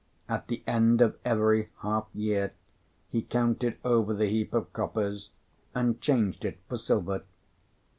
At the end of every half year he counted over the heap of coppers, and changed it for silver.